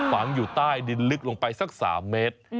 ฝังอยู่ใต้ดินลึกลงไปสัก๓เมตร